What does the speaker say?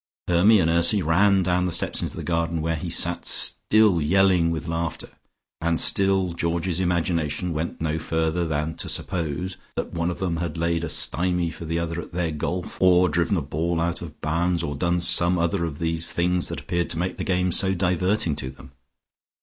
Hermy and Ursy ran down the steps into the garden where he sat still yelling with laughter, and still Georgie's imagination went no further than to suppose that one of them had laid a stymie for the other at their golf, or driven a ball out of bounds or done some other of these things that appeared to make the game so diverting to them.